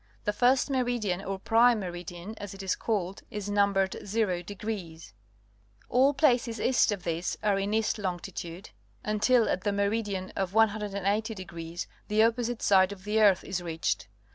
The first meridian, or Prime Meri dian, as it is called, is numbered 0°. All places east of this are in East Longitvde, until at the meridian of 180° the opposite side of the earth is reached.